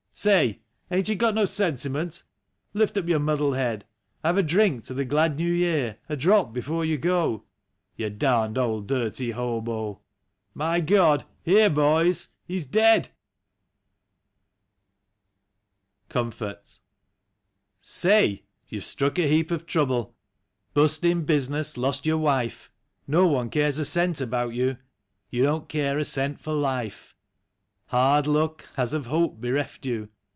Say! ain't you got no sentiment? Lift up your muddled head; Have a drink to the glad ISTew Year, a drop before you go— You darned old dirty hobo ... My God! Here, boys ! He's dead !" 79 COMFORT. Say ! You've struck a heap of trouble — Bust in business, lost your wife; No one cares a cent about you, You don't care a cent for life; Hard luck has of hope bereft you.